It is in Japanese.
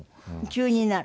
急になる？